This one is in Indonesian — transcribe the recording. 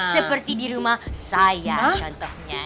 seperti dirumah saya contohnya